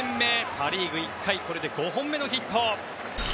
パ・リーグ、１回これで５本目のヒット！